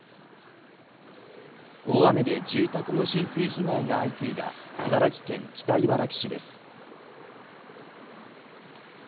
大雨で住宅の浸水被害が相次いだ茨城県北茨城市です。